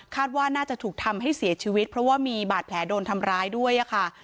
ว่าน่าจะถูกทำให้เสียชีวิตเพราะว่ามีบาดแผลโดนทำร้ายด้วยค่ะ